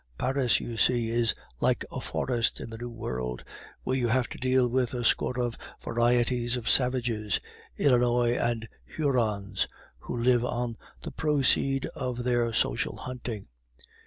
Paris, you see, is like a forest in the New World, where you have to deal with a score of varieties of savages Illinois and Hurons, who live on the proceed of their social hunting.